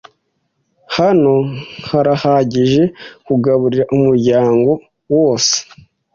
Hano harahagije kugaburira umuryango wose.